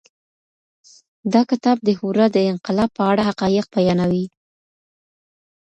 دا کتاب د هورا د انقلاب په اړه حقايق بيانوي.